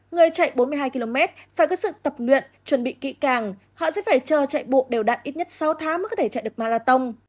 người chạy bốn mươi hai km phải có sự tập luyện chuẩn bị kỹ càng họ sẽ phải chờ chạy bộ đều đạn ít nhất sáu tháng mới có thể chạy được marathon